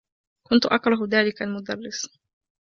كنت أكره ذلك المدرّس.